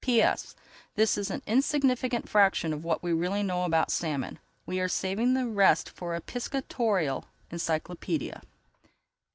P.S. This is an insignificant fraction of what we really know about salmon. We are saving the rest for a Piscatorial Encyclopedia.